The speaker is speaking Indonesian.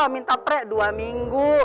minta prek dua minggu